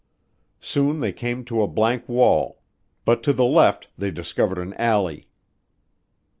Soon they came to a blank wall, but to the left they discovered an alley.